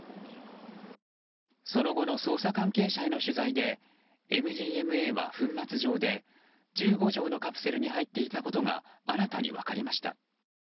その後の捜査関係者への取材でＭＤＭＡは粉末状で１５錠のカプセルに入っていたことが新たに分かりました。